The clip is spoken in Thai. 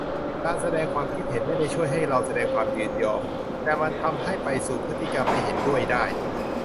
การแสดงความคิดเห็นไม่ได้ช่วยให้เราแสดงความยินยอม แต่มันทำให้ไปสู่พฤติกรรมไม่เห็นด้วยได้